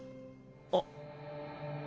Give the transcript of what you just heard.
あっ。